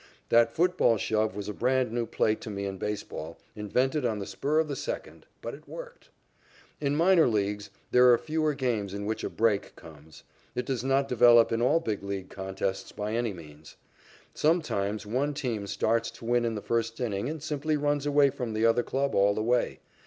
That football shove was a brand new play to me in baseball, invented on the spur of the second, but it worked. In minor leagues, there are fewer games in which a "break" comes. It does not develop in all Big League contests by any means. Sometimes one team starts to win in the first inning and simply runs away from the other club all the way.